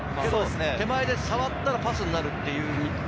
手前で触ったらパスになる。